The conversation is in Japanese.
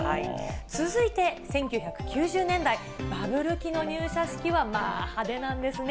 続いて１９９０年代、バブル期の入社式は、まあ、派手なんですね。